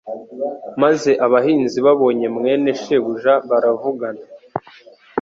Maze abahinzi babonye mwene shebuja baravugana,